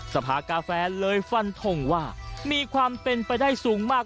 สภากาแฟเลยฟันทงว่ามีความเป็นไปได้สูงมาก